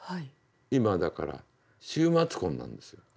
今だから週末婚なんですよ。